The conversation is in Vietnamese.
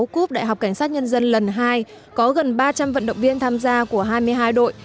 cúp đại học cảnh sát nhân dân lần hai có gần ba trăm linh vận động viên tham gia của hai mươi hai đội